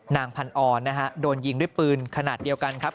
นางพันออนนะฮะโดนยิงด้วยปืนขนาดเดียวกันครับ